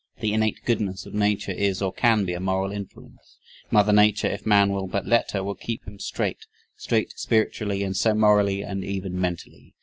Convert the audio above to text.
The "innate goodness" of Nature is or can be a moral influence; Mother Nature, if man will but let her, will keep him straight straight spiritually and so morally and even mentally.